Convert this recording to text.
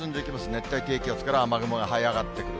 熱帯低気圧から雨雲がはい上がってくる。